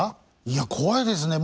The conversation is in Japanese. いや怖いですね。